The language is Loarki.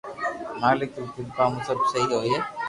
مالڪ ري ڪرپا مون سب سھي ھوئي